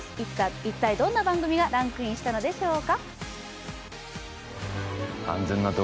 一体どんな番組がランクインしたのでしょうか？